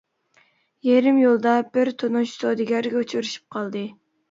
يېرىم يولدا بىر تونۇش سودىگەرگە ئۇچرىشىپ قالدى.